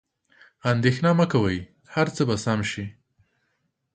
اندیښنه مه کوئ، هر څه به سم شي.